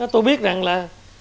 tôi biết rằng là